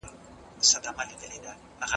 سپورت د مفصلونو نرم ساتلو وسیله ده.